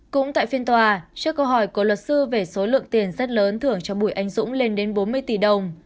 cũng tại phiên tòa trước câu hỏi của luật sư về số lượng tiền rất lớn thưởng cho bùi anh dũng lên đến bốn mươi tỷ đồng